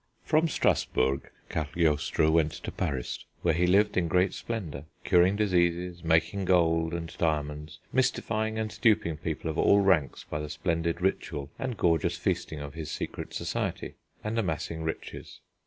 From Strassburg Cagliostro* went to Paris, where he lived in great splendour, curing diseases, making gold and diamonds, mystifying and duping people of all ranks by the splendid ritual and gorgeous feasting of his secret society, and amassing riches.